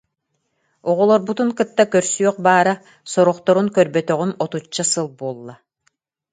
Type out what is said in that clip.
Оҕолорбутун кытта көрсүөх баара, сорохторун көрбөтөҕум отучча сыл буолла